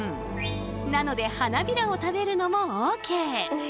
なので花びらを食べるのもＯＫ！